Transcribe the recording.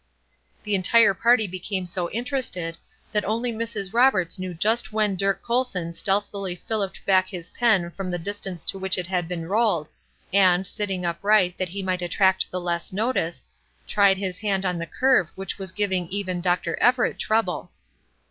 The entire party became so interested that only Mrs. Roberts knew just when Dirk Colson stealthily filliped back his pen from the distance to which it had been rolled, and, sitting upright that he might attract the less notice, tried his hand on the curve which was giving even Dr. Everett trouble.